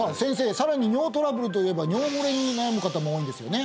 さらに尿トラブルといえば尿漏れに悩む方も多いんですよね？